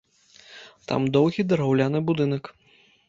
Там доўгі драўляны будынак.